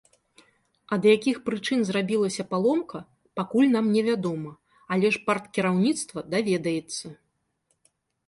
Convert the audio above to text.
Ад якіх прычын зрабілася паломка, пакуль нам невядома, але ж парткіраўніцтва даведаецца.